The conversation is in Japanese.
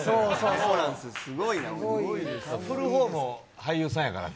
振るほうも俳優さんやからね。